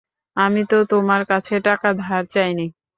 আমি তো তোমার কাছে টাকা ধার চাই নি।